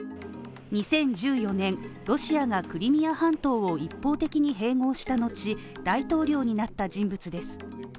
２０１４年、ロシアがクリミア半島を一方的に併合した後、大統領になった人物です。